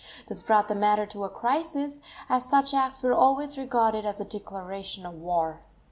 This brought the matter to a crisis, as such acts were always regarded as a declaration of war.